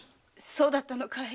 そうだったのかい。